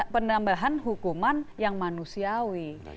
penambahan hukuman yang manusiawi